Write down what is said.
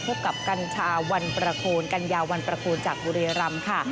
พบกับกัญชาวันประโคนกัญญาวันประโคนจากบุรีรำค่ะ